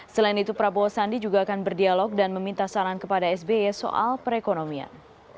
selain itu prabowo sandi juga akan berdialog dan meminta saran kepada sby soal perekonomian